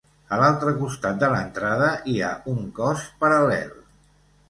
A l'altre costat de l'entrada hi ha un cos paral·lel.